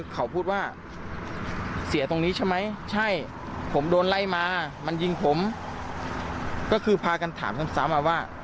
เขาพูดว่าเสียตรงนี้ใช่ไหมใช่ผมโดนไล่มามันยิงผมก็คือพากันถามซ้ำมาว่า